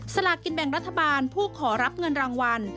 สลากินแบ่งรัฐบาลผู้ขอรับเงินรางวัล